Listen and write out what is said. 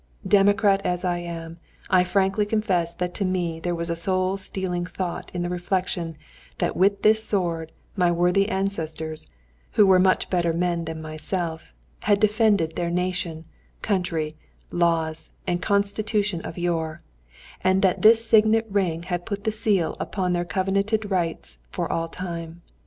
Democrat as I am, I frankly confess that to me there was a soul steeling thought in the reflection that with this sword my worthy ancestors, who were much better men than myself, had defended their nation, country, laws, and constitution of yore, and that this signet ring had put the seal upon their covenanted rights for all time.